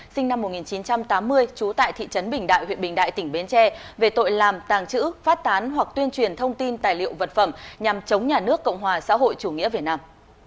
sinh năm một nghìn chín trăm tám mươi trú tại thị trấn bình đại huyện bình đại tỉnh bến tre về tội làm tàng trữ phát tán hoặc tuyên truyền thông tin tài liệu vật phẩm nhằm chống nhà nước cộng hòa xã hội chủ nghĩa việt nam